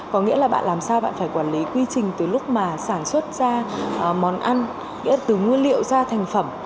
có nghĩa là bạn làm sao bạn phải quản lý quy trình từ lúc mà sản xuất ra món ăn nghĩa từ nguyên liệu ra thành phẩm